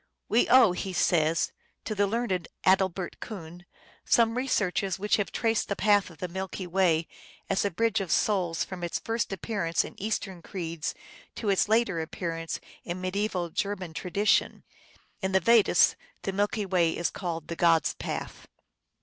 " We owe," he says, " to the learned Adalbert Kuhn some re searches which have traced the path of the Milky Way as a bridge of souls from its first appearance in Eastern creeds to its later appearance in mediaeval German tradition." {Zeitschrift f. v. Sp. I. c.) In the Vedas the Milky Way is called the Gods Path.